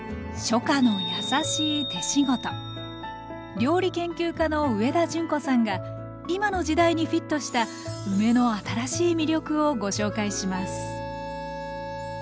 料理研究家の上田淳子さんが今の時代にフィットした梅の新しい魅力をご紹介します